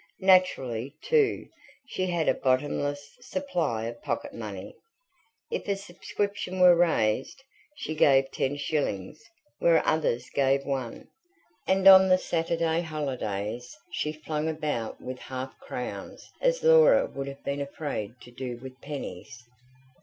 Naturally, too, she had a bottomless supply of pocket money: if a subscription were raised, she gave ten shillings where others gave one; and on the Saturday holidays she flung about with half crowns as Laura would have been afraid to do with pennies.